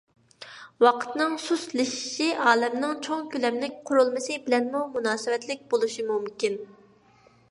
ۋاقىتنىڭ سۇسلىشىشى ئالەمنىڭ چوڭ كۆلەملىك قۇرۇلمىسى بىلەنمۇ مۇناسىۋەتلىك بولۇشى مۇمكىن.